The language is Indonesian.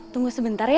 tunggu sebentar ya